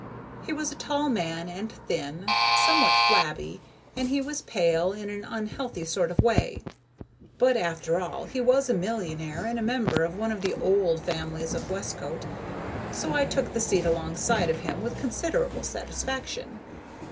He was a tall man and thin, somewhat flabby and he was pale in an unhealthy sort of way. But, after all, he was a millionaire and a member of one of the "old families" of Westcote, so I took the seat alongside of him with considerable satisfaction.